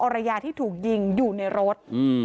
รยาที่ถูกยิงอยู่ในรถ